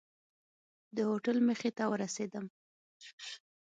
د هوټل مخې ته ورسېدم.